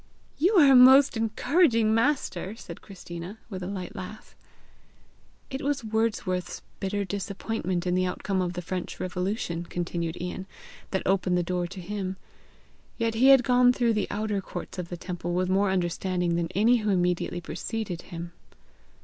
"You are a most encouraging master!" said Christina, with a light laugh. "It was Wordsworth's bitter disappointment in the outcome of the French revolution," continued Ian, "that opened the door to him. Yet he had gone through the outer courts of the temple with more understanding than any who immediately preceded him.